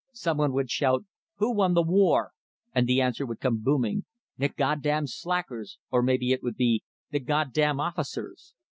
Some one would shout: "Who won the war?" And the answer would come booming: "The goddam slackers;" or maybe it would be, "The goddam officers."